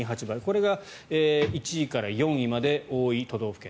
これが１位から４位まで多い都道府県。